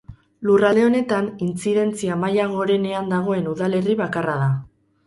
Lurralde honetan intzidentzia maila gorenean dagoen udalerri bakarra da.